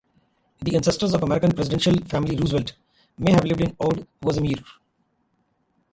The ancestors of the American presidential family Roosevelt may have lived in Oud-Vossemeer.